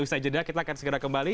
ustaz jeddah kita akan segera kembali